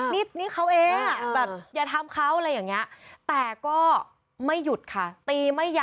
นี่เขาเองแบบอย่าทำเขาอะไรอย่างนี้แต่ก็ไม่หยุดค่ะตีไม่ยั้